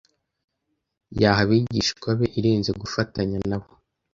yaha abigishwa be irenze gufatanya na bo.